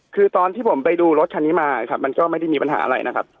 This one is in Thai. คือตอนที่ผมไปดูรถคันนี้มาครับมันก็ไม่ได้มีปัญหาอะไรนะครับ